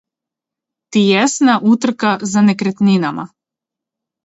Тијесна утрка за некретнинама